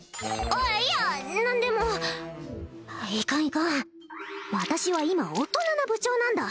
あっいや何でもいかんいかん私は今大人な部長なんだ